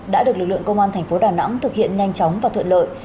đã được lực lượng công an thành phố đà nẵng thực hiện nhanh chóng và thuận lợi